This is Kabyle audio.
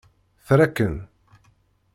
Tra-ken!